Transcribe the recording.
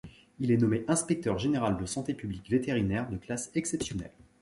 Il est nommé Inspecteur général de santé publique vétérinaire de classe exceptionnelle.